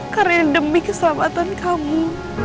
karena demi keselamatan kamu